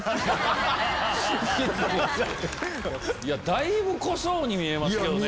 だいぶ濃そうに見えますけどね。